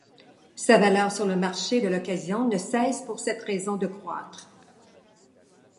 Sa valeur sur le marché de l'occasion ne cesse pour cette raison de croître.